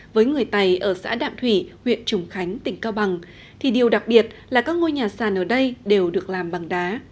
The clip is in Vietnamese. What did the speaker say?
với người tày ở xã đạm thủy huyện trùng khánh tỉnh cao bằng thì điều đặc biệt là các ngôi nhà sàn ở đây đều được làm bằng đá